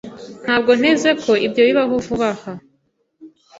Ntabwo nteze ko ibyo bibaho vuba aha.